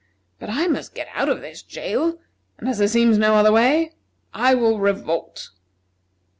But I must get out of this jail, and, as there seems no other way, I will revolt."